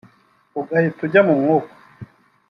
ugahita ujya mu mwuka